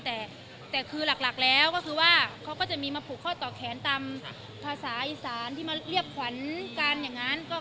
แต่คือหลักแล้วก็คือว่าเขาก็จะมีมาผูกข้อต่อแขนตามภาษาอีสานที่มาเรียบขวัญกันอย่างนั้น